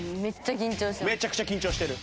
めちゃくちゃ緊張してる。